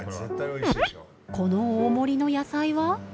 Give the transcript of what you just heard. この大盛りの野菜は？